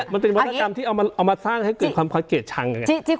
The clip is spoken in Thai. มันเป็นวัฒกรรมที่เอามาสร้างให้เกิดความเกลียดชัง